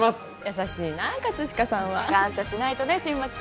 優しいなあ葛飾さんは感謝しないとね新町さん